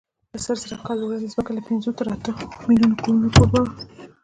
له لسزره کاله وړاندې ځمکه له پینځو تر اتو میلیونو کورونو کوربه وه.